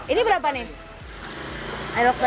ini berapa nih